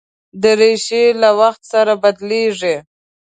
دریشي له وخت سره بدلېږي.